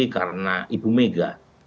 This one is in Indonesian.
karena ibu mega